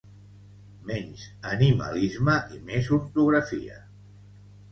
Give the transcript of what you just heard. Menys animalisme i més ortografia